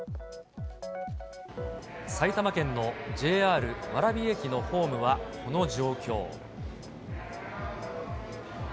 埼玉県のＪＲ蕨駅のホームはこの状況。